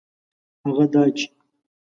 هغه دا چي